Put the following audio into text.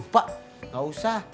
pak gak usah